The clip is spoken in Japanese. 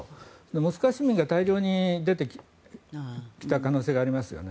モスクワ市民が大量に出てきた可能性がありますよね。